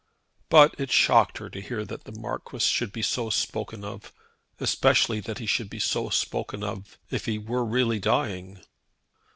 But it shocked her that the Marquis should be so spoken of, especially that he should be so spoken of if he were really dying!